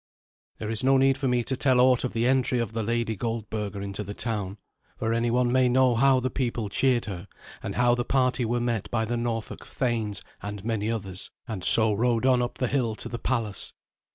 There is no need for me to tell aught of the entry of the Lady Goldberga into the town, for anyone may know how the people cheered her, and how the party were met by the Norfolk thanes and many others, and so rode on up the hill to the palace.